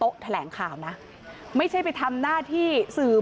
ลาออกจากหัวหน้าพรรคเพื่อไทยอย่างเดียวเนี่ย